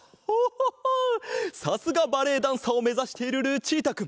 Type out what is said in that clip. さすがバレエダンサーをめざしているルチータくん。